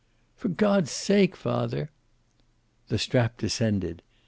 "For God's sake, father." The strap descended.